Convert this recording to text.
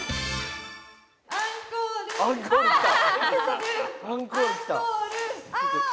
アンコールきた！